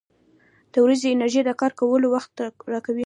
• د ورځې انرژي د کار کولو وخت راکوي.